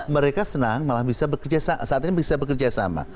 mereka senang malah bisa bekerja saat ini bisa bekerja sama